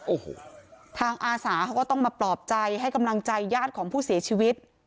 โอ้โหทางอาสาเขาก็ต้องมาปลอบใจให้กำลังใจญาติของผู้เสียชีวิต